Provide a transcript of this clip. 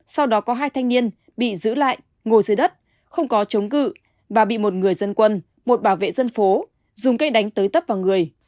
sau đó có hai thanh niên bị giữ lại ngồi dưới đất không có chống cự và bị một người dân quân một bảo vệ dân phố dùng cây đánh tới tấp vào người